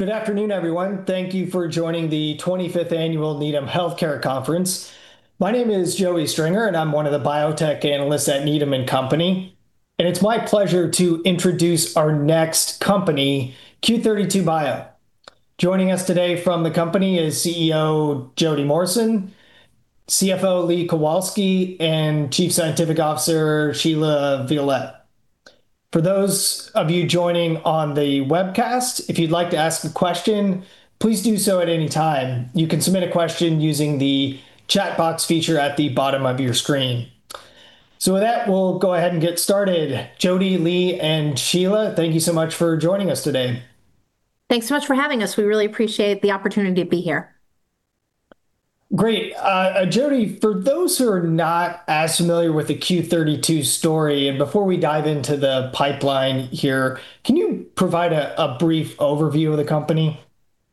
Good afternoon, everyone. Thank you for joining the 25th Annual Needham Healthcare Conference. My name is Joey Stringer, and I'm one of the biotech analysts at Needham & Company. It's my pleasure to introduce our next company, Q32 Bio. Joining us today from the company is CEO Jodie Morrison, CFO Lee Kalowski, and Chief Scientific Officer Shelia Violette. For those of you joining on the webcast, if you'd like to ask a question, please do so at any time. You can submit a question using the chat box feature at the bottom of your screen. With that, we'll go ahead and get started. Jodie, Lee, and Shelia, thank you so much for joining us today. Thanks so much for having us. We really appreciate the opportunity to be here. Great. Jodie, for those who are not as familiar with the Q32 story, and before we dive into the pipeline here, can you provide a brief overview of the company?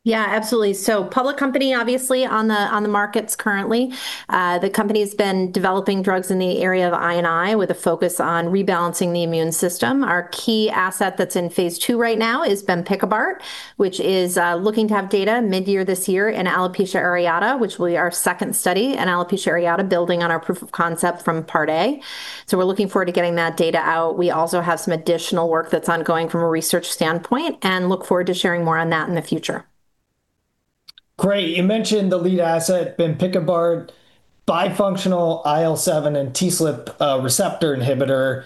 Yeah, absolutely, public company, obviously, on the markets currently. The company's been developing drugs in the area of I&I with a focus on rebalancing the immune system. Our key asset that's in phase II right now is bempikibart, which is looking to have data mid-year this year in alopecia areata, which will be our second study in alopecia areata, building on our proof of concept from Part A. We're looking forward to getting that data out. We also have some additional work that's ongoing from a research standpoint and look forward to sharing more on that in the future. Great. You mentioned the lead asset, bempikibart, bifunctional IL-7 and TSLP receptor inhibitor.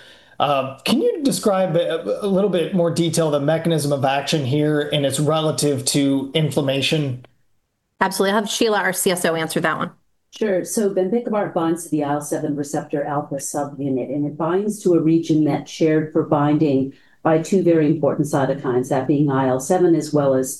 Can you describe a little bit more detail the mechanism of action here and it relative to inflammation? Absolutely. I'll have Shelia, our CSO, answer that one. Sure. Bempikibart binds to the IL-7 receptor alpha subunit, and it binds to a region that's shared for binding by two very important cytokines, that being IL-7 as well as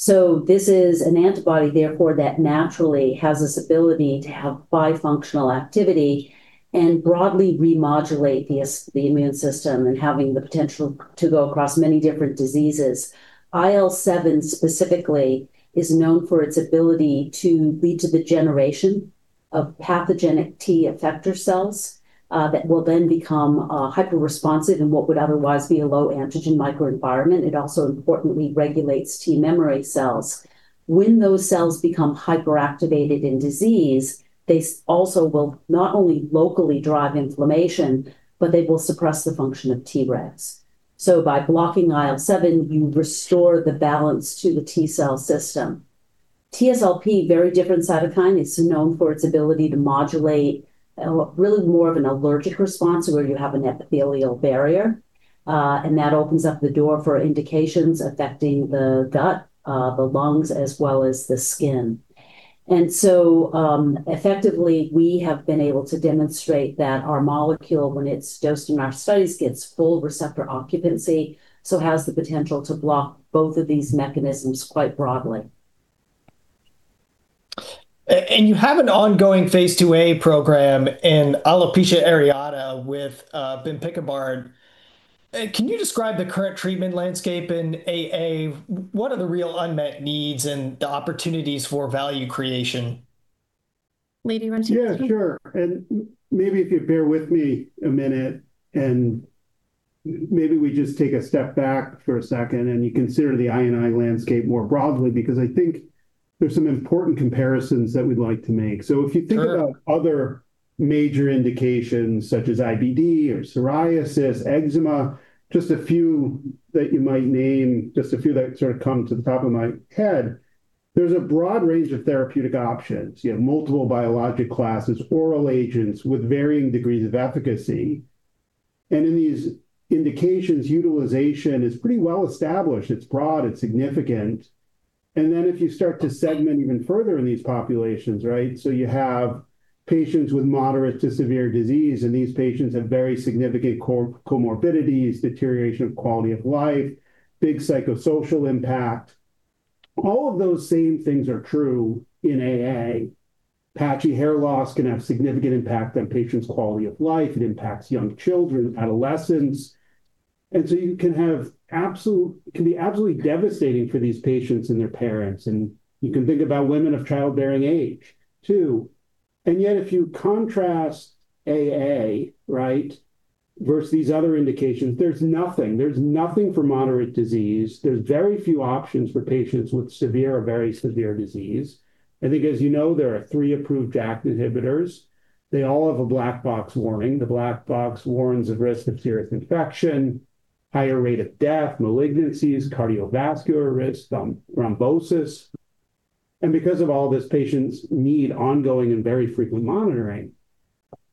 TSLP. This is an antibody, therefore, that naturally has this ability to have bifunctional activity and broadly remodulate the immune system and having the potential to go across many different diseases. IL-7 specifically is known for its ability to lead to the generation of pathogenic T effector cells, that will then become hyperresponsive in what would otherwise be a low antigen microenvironment. It also importantly regulates T memory cells. When those cells become hyperactivated in disease, they also will not only locally drive inflammation, but they will suppress the function of Tregs. By blocking IL-7, you restore the balance to the T-cell system. TSLP, very different cytokine. It's known for its ability to modulate really more of an allergic response where you have an epithelial barrier, and that opens up the door for indications affecting the gut, the lungs, as well as the skin. Effectively, we have been able to demonstrate that our molecule, when it's dosed in our studies, gets full receptor occupancy, so has the potential to block both of these mechanisms quite broadly. You have an ongoing phase II-A program in alopecia areata with bempikibart. Can you describe the current treatment landscape in AA? What are the real unmet needs and the opportunities for value creation? Lee, do you want to take this one? Yeah, sure. Maybe if you bear with me a minute, and maybe we just take a step back for a second and you consider the I&I landscape more broadly, because I think there's some important comparisons that we'd like to make. Sure. If you think about other major indications such as IBD or psoriasis, eczema, just a few that sort of come to the top of my head, there's a broad range of therapeutic options. You have multiple biologic classes, oral agents with varying degrees of efficacy. In these indications, utilization is pretty well established. It's broad. It's significant. If you start to segment even further in these populations, right? You have patients with moderate to severe disease, and these patients have very significant comorbidities, deterioration of quality of life, big psychosocial impact. All of those same things are true in AA. Patchy hair loss can have significant impact on patients' quality of life. It impacts young children, adolescents. It can be absolutely devastating for these patients and their parents, and you can think about women of childbearing age, too. Yet, if you contrast AA, right, versus these other indications, there's nothing. There's nothing for moderate disease. There's very few options for patients with severe or very severe disease. I think as you know, there are three approved JAK inhibitors. They all have a black box warning. The black box warns of risk of serious infection, higher rate of death, malignancies, cardiovascular risks, thrombosis. Because of all this, patients need ongoing and very frequent monitoring.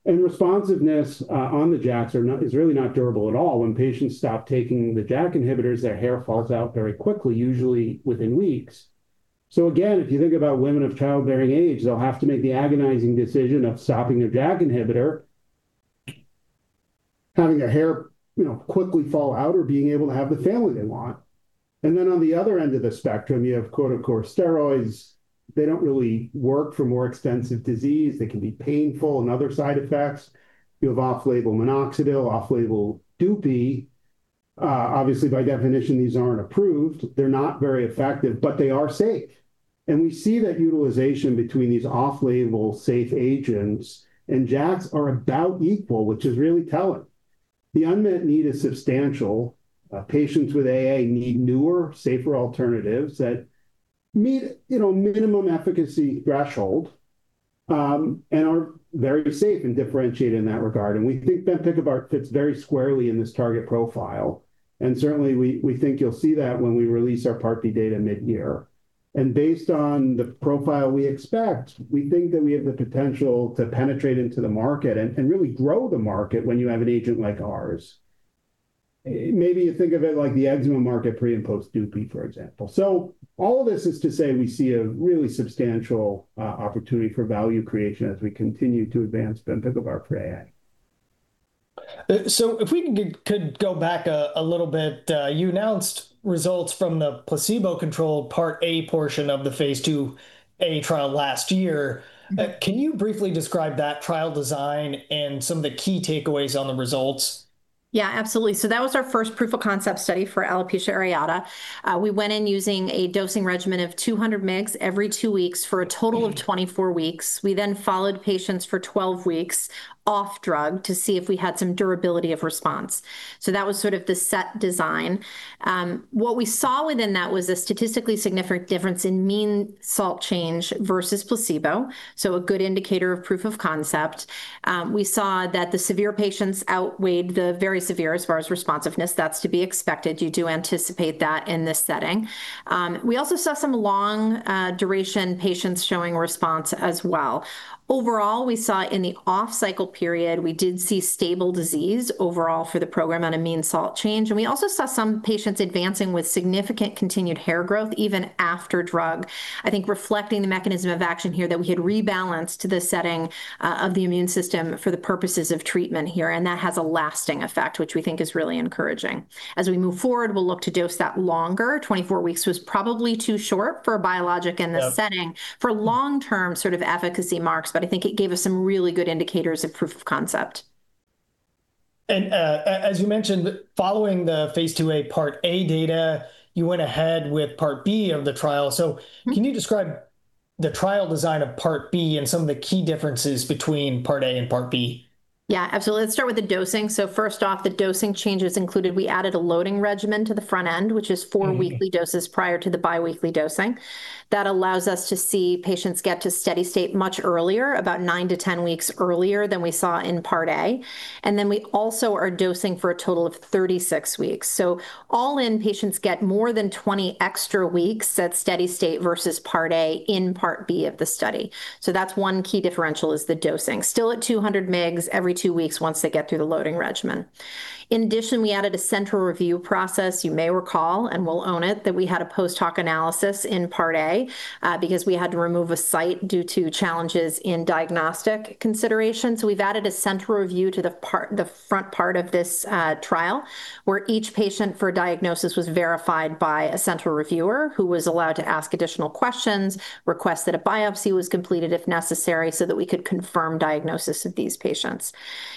Responsiveness on the JAKs is really not durable at all. When patients stop taking the JAK inhibitors, their hair falls out very quickly, usually within weeks. Again, if you think about women of childbearing age, they'll have to make the agonizing decision of stopping their JAK inhibitor, having their hair quickly fall out, or being able to have the family they want. On the other end of the spectrum, you have corticosteroids. They don't really work for more extensive disease. They can be painful and other side effects. You have off-label minoxidil, off-label Dupixent. Obviously, by definition, these aren't approved. They're not very effective, but they are safe. We see that utilization between these off-label safe agents and JAKs are about equal, which is really telling. The unmet need is substantial. Patients with AA need newer, safer alternatives that meet minimum efficacy threshold, and are very safe and differentiated in that regard. We think bempikibart fits very squarely in this target profile. Certainly, we think you'll see that when we release our Part D data mid-year. Based on the profile we expect, we think that we have the potential to penetrate into the market and really grow the market when you have an agent like ours. Maybe you think of it like the eczema market pre and post dupi, for example. All of this is to say we see a really substantial opportunity for value creation as we continue to advance bempikibart for AA. If we could go back a little bit, you announced results from the placebo-controlled Part A portion of the phase II-A trial last year. Can you briefly describe that trial design and some of the key takeaways on the results? Yeah, absolutely. That was our first proof of concept study for alopecia areata. We went in using a dosing regimen of 200 mg every two weeks for a total of 24 weeks. We then followed patients for 12 weeks off drug to see if we had some durability of response. That was sort of the set design. What we saw within that was a statistically significant difference in mean SALT change versus placebo, so a good indicator of proof of concept. We saw that the severe patients outweighed the very severe as far as responsiveness. That's to be expected. You do anticipate that in this setting. We also saw some long duration patients showing response as well. Overall, we saw in the off-cycle period, we did see stable disease overall for the program on a mean SALT change. We also saw some patients advancing with significant continued hair growth, even after drug, I think reflecting the mechanism of action here that we had rebalanced the setting of the immune system for the purposes of treatment here, and that has a lasting effect, which we think is really encouraging. As we move forward, we'll look to dose that longer. 24 weeks was probably too short for a biologic in this setting for long-term sort of efficacy marks, but I think it gave us some really good indicators of proof of concept. As you mentioned, following the phase II-A Part A data, you went ahead with Part B of the trial. Can you describe the trial design of Part B and some of the key differences between Part A and Part B? Yeah, absolutely. Let's start with the dosing. First off, the dosing changes included we added a loading regimen to the front end, which is four weekly doses prior to the biweekly dosing. That allows us to see patients get to steady state much earlier, about 9-10 weeks earlier than we saw in Part A. We also are dosing for a total of 36 weeks. All in, patients get more than 20 extra weeks at steady state versus Part A in Part B of the study. That's one key differential is the dosing, still at 200 mg every two weeks once they get through the loading regimen. In addition, we added a central review process. You may recall, and we'll own it, that we had a post hoc analysis in Part A because we had to remove a site due to challenges in diagnostic consideration. We've added a central review to the front part of this trial, where each patient for diagnosis was verified by a central reviewer who was allowed to ask additional questions, request that a biopsy was completed if necessary, so that we could confirm diagnosis of these patients.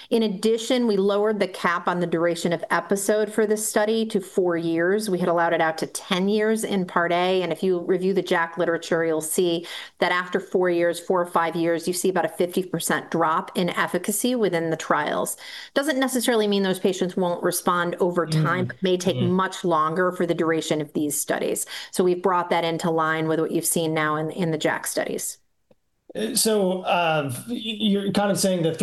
In addition, we lowered the cap on the duration of episode for this study to four years. We had allowed it out to 10 years in Part A, and if you review the JAK literature, you'll see that after four years, four or five years, you see about a 50% drop in efficacy within the trials. Doesn't necessarily mean those patients won't respond over time. Mm-hmm. May take much longer for the duration of these studies. We've brought that into line with what you've seen now in the JAK studies. You're kind of saying the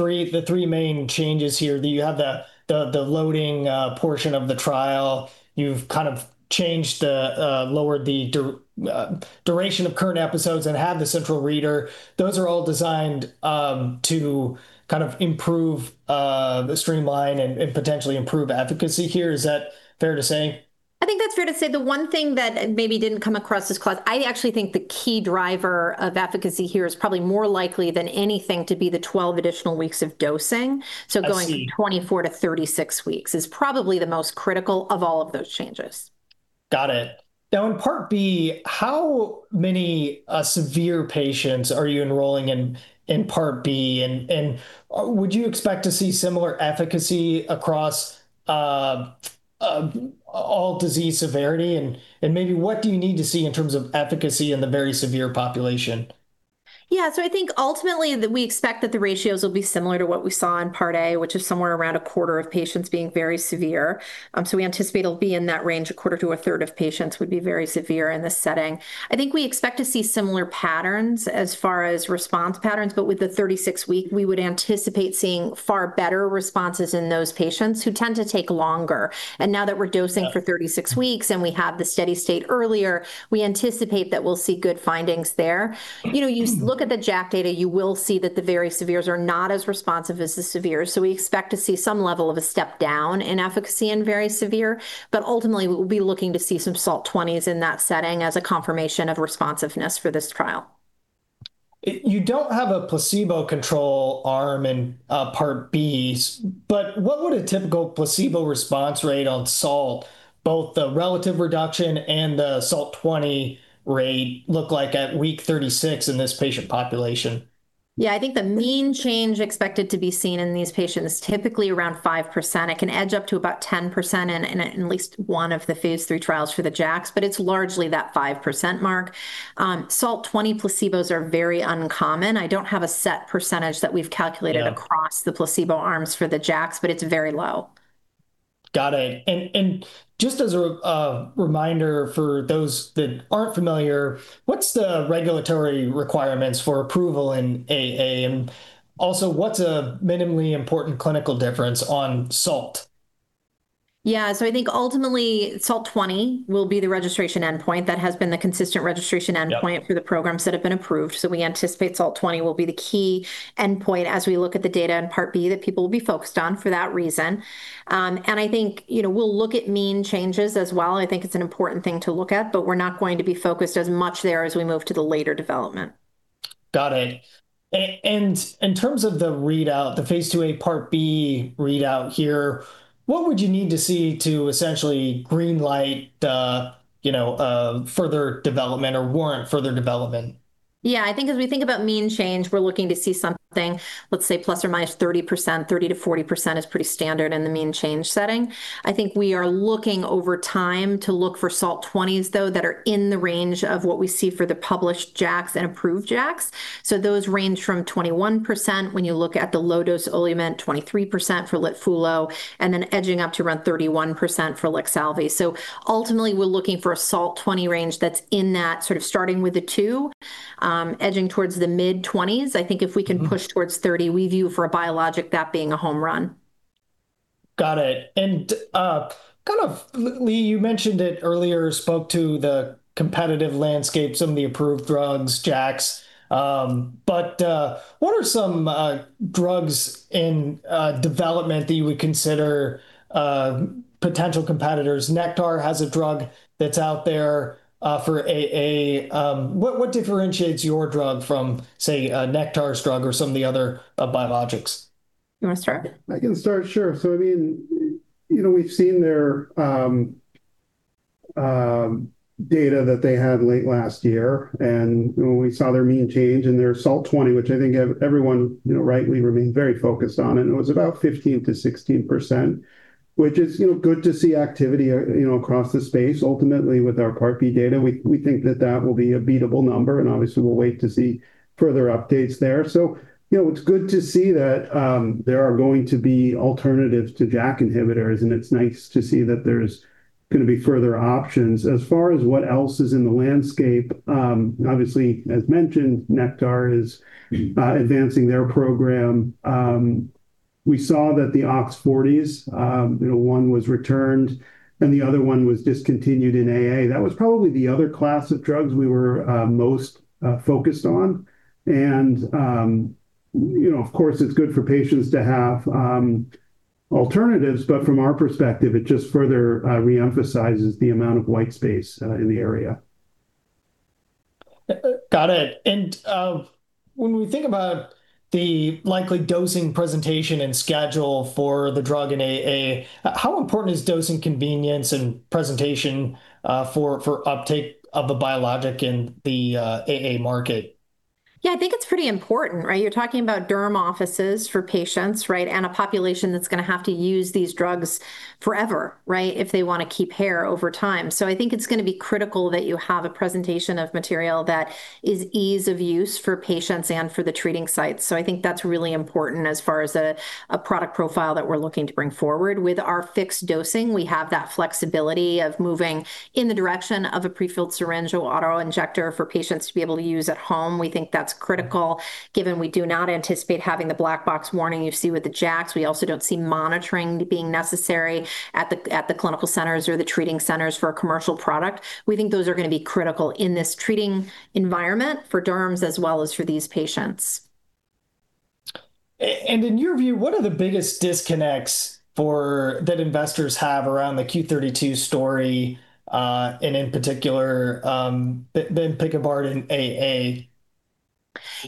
three main changes here, that you have the loading portion of the trial, you've kind of lowered the duration of current episodes and have the central reader. Those are all designed to kind of improve, streamline, and potentially improve efficacy here. Is that fair to say? I think that's fair to say. The one thing that maybe didn't come across is, [becuase], I actually think the key driver of efficacy here is probably more likely than anything to be the 12 additional weeks of dosing. I see. Going from 24 to 36 weeks is probably the most critical of all of those changes. Got it. Now in Part B, how many severe patients are you enrolling in Part B, and would you expect to see similar efficacy across all disease severity? Maybe what do you need to see in terms of efficacy in the very severe population? Yeah. I think ultimately, we expect that the ratios will be similar to what we saw in Part A, which is somewhere around a quarter of patients being very severe. We anticipate it'll be in that range, a quarter to a third of patients would be very severe in this setting. I think we expect to see similar patterns as far as response patterns. With the 36 week, we would anticipate seeing far better responses in those patients who tend to take longer. Now that we're dosing for 36 weeks, and we have the steady state earlier, we anticipate that we'll see good findings there. You look at the JAK data, you will see that the very severes are not as responsive as the severes. We expect to see some level of a step down in efficacy in very severe. Ultimately, we'll be looking to see some SALT 20s in that setting as a confirmation of responsiveness for this trial. You don't have a placebo control arm in part B, but what would a typical placebo response rate on SALT, both the relative reduction and the SALT 20 rate, look like at week 36 in this patient population? Yeah, I think the mean change expected to be seen in these patients, typically around 5%. It can edge up to about 10% in at least one of the phase III trials for the JAKs, but it's largely that 5% mark. SALT 20 placebos are very uncommon. I don't have a set percentage that we've calculated. Yeah Across the placebo arms for the JAKs, but it's very low. Got it. Just as a reminder for those that aren't familiar, what's the regulatory requirements for approval in AA? Also, what's a minimally important clinical difference on SALT? Yeah. I think ultimately, SALT 20 will be the registration endpoint. That has been the consistent registration endpoint. Yeah Through the programs that have been approved. We anticipate SALT 20 will be the key endpoint as we look at the data in Part B that people will be focused on for that reason. I think we'll look at mean changes as well. I think it's an important thing to look at, but we're not going to be focused as much there as we move to the later development. Got it. In terms of the readout, the phase II-A part B readout here, what would you need to see to essentially green light further development or warrant further development? Yeah. I think as we think about mean change, we're looking to see something, let's say, ±30%. 30%-40% is pretty standard in the mean change setting. I think we are looking over time to look for SALT 20s, though, that are in the range of what we see for the published JAKs and approved JAKs. Those range from 21% when you look at the low-dose Olumiant, 23% for LITFULO, and then edging up to around 31% for Olumiant. Ultimately, we're looking for a SALT 20 range that's in that sort of starting with a two, edging towards the mid-20s. I think if we can push towards 30, we view for a biologic that being a home run. Got it. Kind of, Lee, you mentioned it earlier, spoke to the competitive landscape, some of the approved drugs, JAKs. What are some drugs in development that you would consider potential competitors? Nektar has a drug that's out there for AA. What differentiates your drug from, say, Nektar's drug or some of the other biologics? You want to start? I can start, sure. We've seen their data that they had late last year, and we saw their mean change in their SALT 20, which I think everyone rightly remained very focused on. It was about 15%-16%, which is good to see activity across the space. Ultimately, with our Part B data, we think that that will be a beatable number, and obviously, we'll wait to see further updates there. It's good to see that there are going to be alternatives to JAK inhibitors, and it's nice to see that there's going to be further options. As far as what else is in the landscape, obviously, as mentioned, Nektar is advancing their program. We saw that the OX40s, one was returned and the other one was discontinued in AA. That was probably the other class of drugs we were most focused on. Of course, it's good for patients to have alternatives, but from our perspective, it just further re-emphasizes the amount of white space in the area. Got it. When we think about the likely dosing presentation and schedule for the drug in AA, how important is dosing convenience and presentation for uptake of a biologic in the AA market? Yeah. I think it's pretty important, right? You're talking about derm offices for patients, right? A population that's going to have to use these drugs forever, right, if they want to keep hair over time. I think it's going to be critical that you have a presentation of material that is ease of use for patients and for the treating sites. I think that's really important as far as a product profile that we're looking to bring forward. With our fixed dosing, we have that flexibility of moving in the direction of a prefilled syringe or auto-injector for patients to be able to use at home. We think that's critical given we do not anticipate having the black box warning you see with the JAKs. We also don't see monitoring being necessary at the clinical centers or the treating centers for a commercial product. We think those are going to be critical in this treating environment for derms as well as for these patients. In your view, what are the biggest disconnects that investors have around the Q32 story, and in particular, bempikibart in AA?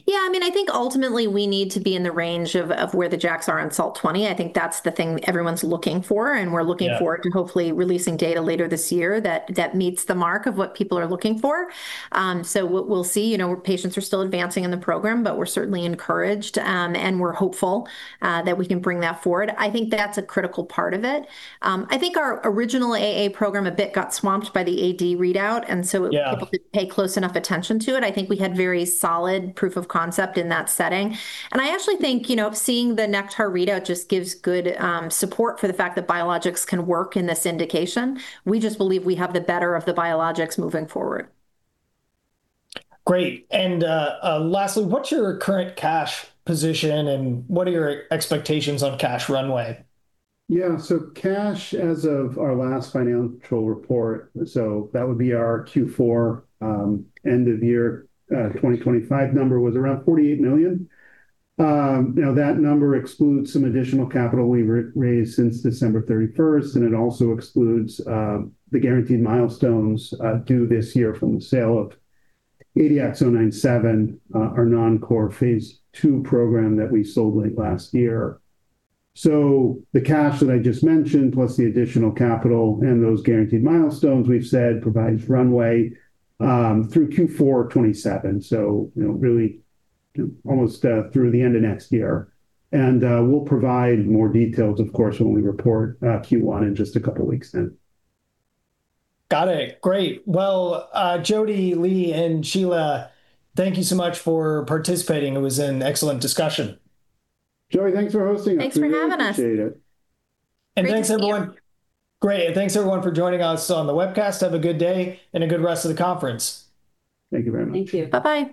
Yeah. I think ultimately we need to be in the range of where the JAKs are on SALT 20. I think that's the thing everyone's looking for. Yeah We look forward to hopefully releasing data later this year that meets the mark of what people are looking for. We'll see. Patients are still advancing in the program, but we're certainly encouraged, and we're hopeful that we can bring that forward. I think that's a critical part of it. I think our original AA program a bit got swamped by the AD readout. Yeah People didn't pay close enough attention to it. I think we had very solid proof of concept in that setting. I actually think seeing the Nektar readout just gives good support for the fact that biologics can work in this indication. We just believe we have the better of the biologics moving forward. Great. Lastly, what's your current cash position, and what are your expectations on cash runway? Yeah. Cash as of our last financial report, so that would be our Q4 end of year 2025 number, was around $48 million. Now, that number excludes some additional capital we raised since December 31st, and it also excludes the guaranteed milestones due this year from the sale of ADX-97, our non-core phase II program that we sold late last year. The cash that I just mentioned, plus the additional capital and those guaranteed milestones we've said provides runway through Q4 2027, really almost through the end of next year. We'll provide more details, of course, when we report Q1 in just a couple of weeks then. Got it. Great. Well, Jodie, Lee, and Shelia, thank you so much for participating. It was an excellent discussion. Joey, thanks for hosting. Thanks for having us. We appreciate it. Thanks, everyone. Great. Thanks, everyone, for joining us on the webcast. Have a good day and a good rest of the conference. Thank you very much. Thank you. Bye-bye.